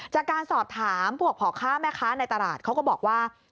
จากการสอบถามพวกพ่อค้าแม่ค้าในตลาดเขาก็บอกว่า